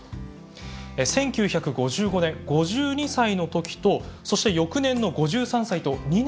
１９５５年５２歳の時とそして翌年の５３歳と２年続けてですね